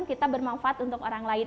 kita bermanfaat untuk orang lain